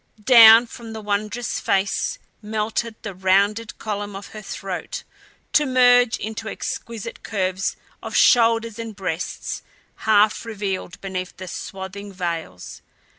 Down from the wondrous face melted the rounded column of her throat to merge into exquisite curves of shoulders and breasts, half revealed beneath the swathing veils.